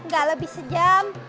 gak lebih sejam